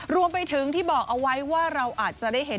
รวมไปถึงที่บอกเอาไว้ว่าเราอาจจะได้เห็น